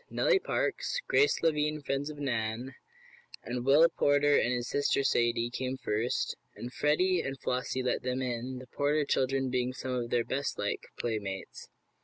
Nellie Parks, Grace Lavine friends of Nan, and Willie Porter and his sister Sadie, came first, and Freddie and Flossie let them in, the Porter children being some of their bestliked playmates.